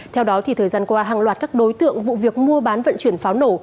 theo đó thì thời gian qua hàng loạt các đối tượng vụ việc mua bán vận chuyển pháo nổ